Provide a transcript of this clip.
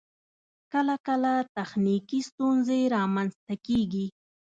کله کله تخنیکی ستونزې رامخته کیږی